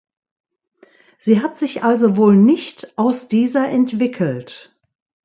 Sie hat sich also wohl nicht aus dieser entwickelt.